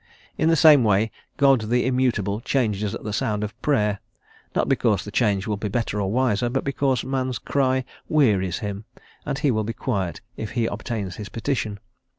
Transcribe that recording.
In the same way God the immutable changes at the sound of Prayer, not because the change will be better or wiser, but because man's cry "wearies" him, and he will be quiet if he obtains his petition.